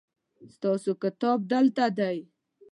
ستاسو کتاب دلته دی